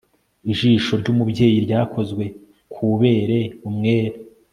ijisho ry'umubyeyi ryakozwe kubera umwere